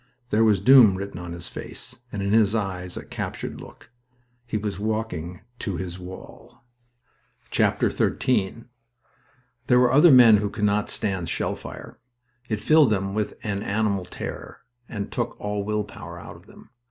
There was doom written on his face, and in his eyes a captured look. He was walking to his wall. XIII There were other men who could not stand shell fire. It filled them with an animal terror and took all will power out of them.